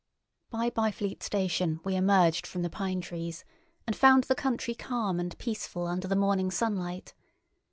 By Byfleet station we emerged from the pine trees, and found the country calm and peaceful under the morning sunlight.